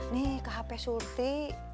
nih ke hp surti